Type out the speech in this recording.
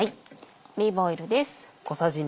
オリーブオイルです。